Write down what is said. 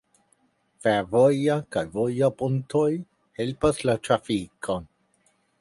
Fervoja kaj voja pontoj helpas la trafikon.